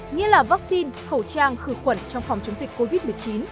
như là vaccine khẩu trang khử khuẩn trong phòng chống dịch covid một mươi chín